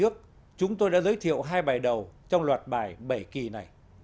chúng tôi đã giới thiệu hai bài đầu trong loạt bài bảy kỳ này